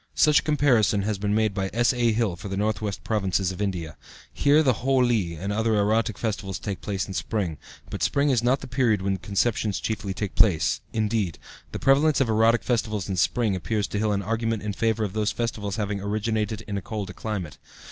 Such a comparison has been made by S.A. Hill for the Northwest Provinces of India. Here the Holi and other erotic festivals take place in spring; but spring is not the period when conceptions chiefly take place; indeed, the prevalence of erotic festivals in spring appears to Hill an argument in favor of those festivals having originated in a colder climate.